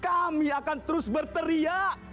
kami akan terus berteriak